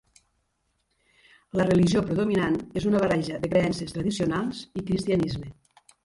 La religió predominant és una barreja de creences tradicionals i cristianisme.